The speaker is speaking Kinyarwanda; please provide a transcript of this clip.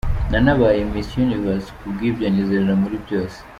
Nanabaye Miss Universe kubw’ibyo nizerera muri byose.